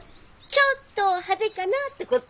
ちょっと派手かなってこと。